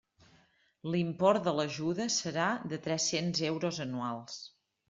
L'import de l'ajuda serà de tres-cents euros anuals.